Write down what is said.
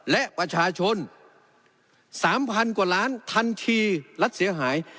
และประชาชน๓๐๐๐กว่าล้านทันทีรัฐเสียหาย